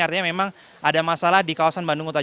artinya memang ada masalah di kawasan bandung utara